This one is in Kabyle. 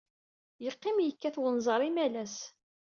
Yeqqim yekkat wenẓar imalas.